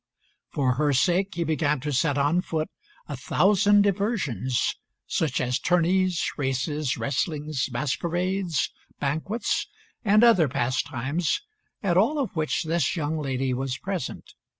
For her sake, he began to set on foot a thousand diversions, such as tourneys, races, wrestlings, masquerades, banquets, and other pastimes, at all of which this young lady was present.